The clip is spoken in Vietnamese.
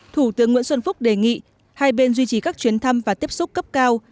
thủ tướng nguyễn xuân phúc đề nghị hai bên duy trì các chuyến thăm và tiếp xúc cấp cao